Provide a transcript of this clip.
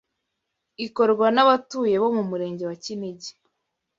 ikorwa n’abatuye bo mu murenge wa Kinigi